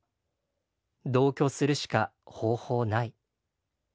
同居するしか方法ない。